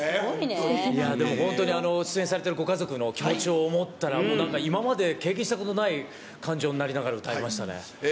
でも、本当に出演されてるご家族の気持ちを思ったら、なんか今まで経験したことのない感情になりながら、歌わせてもらいましたね。